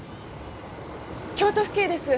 京都府警です。